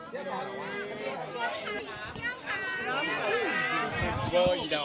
เยี่ยมครับ